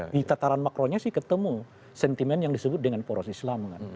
di tataran makronya sih ketemu sentimen yang disebut dengan poros islam kan